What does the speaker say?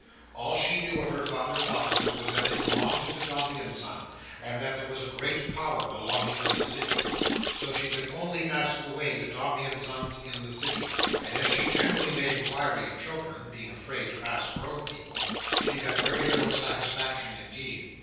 All she knew of her father's offices was that they belonged to Dombey and Son, and that that was a great power belonging to the City. So she could only ask the way to Dombey and Son's in the City; and as she generally made inquiry of children—being afraid to ask grown people—she got very little satisfaction indeed.